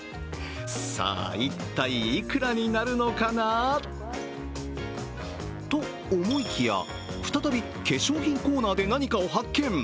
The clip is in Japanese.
さあ、一体いくらになるのかな？と思いきや、再び化粧品コーナーで何かを発見。